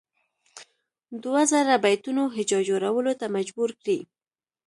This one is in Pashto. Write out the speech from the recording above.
دوه زره بیتونو هجا جوړولو ته مجبور کړي.